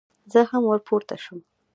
زه هم ور پورته شوم.